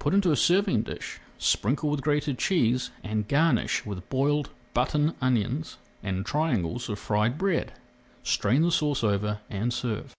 Put into a serving dish, sprinkle with grated cheese, and garnish with boiled button onions and triangles of fried bread. Strain the sauce over and serve.